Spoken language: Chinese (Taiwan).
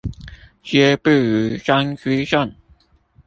皆不如張居正